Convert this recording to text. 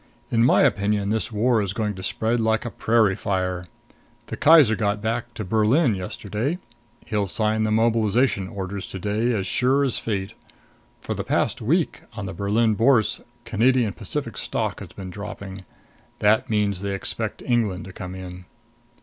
"In my opinion this war is going to spread like a prairie fire. The Kaiser got back to Berlin yesterday. He'll sign the mobilization orders to day as sure as fate. For the past week, on the Berlin Bourse, Canadian Pacific stock has been dropping. That means they expect England to come in."